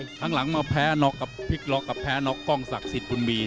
ครั้งหลังมาแพ้น็อกกับพลิกล็อกกับแพ้น็อกกล้องศักดิ์สิทธิบุญมี